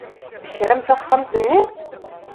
Tekram taxxamt-nni?